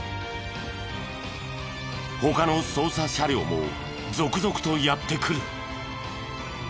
他の捜査車両も続々とやって来る。